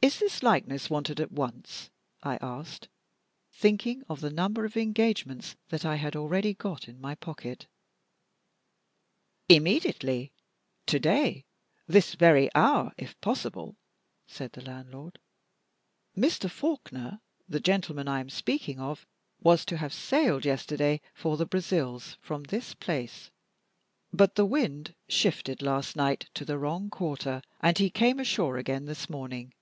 "Is this likeness wanted at once?" I asked, thinking of the number of engagements that I had already got in my pocket. "Immediately to day this very hour, if possible," said the landlord. "Mr. Faulkner, the gentleman I am speaking of, was to have sailed yesterday for the Brazils from this place; but the wind shifted last night to the wrong quarter, and he came ashore again this morning.